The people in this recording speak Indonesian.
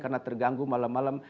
karena terganggu malam malam